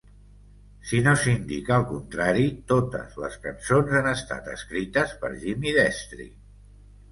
Si no s'indica el contrari, totes les cançons han estat escrites per Jimmy Destri.